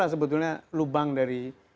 di situ sebetulnya lubang dari